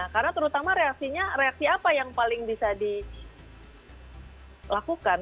karena terutama reaksinya reaksi apa yang paling bisa dilakukan